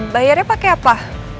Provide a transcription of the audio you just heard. bayarnya pakai apa